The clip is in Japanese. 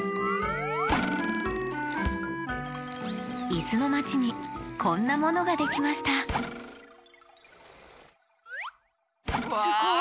いすのまちにこんなものができましたわあ。